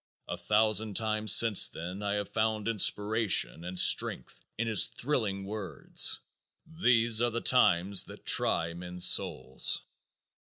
A thousand times since then I have found inspiration and strength in the thrilling words, "These are the times that try men's souls."